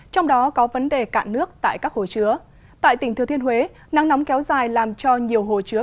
trong đó có vấn đề cạn nước tại các hồ chứa tại tỉnh thừa thiên huế nắng nóng kéo dài làm cho nhiều hồ chứa